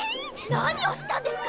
何をしたんですか！